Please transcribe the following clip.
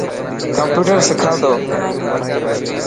ڪمپيوٽر سکا تو.